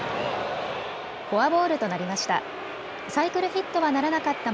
フォアボールとなりました。